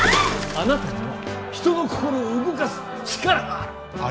あなたには人の心を動かす力がある！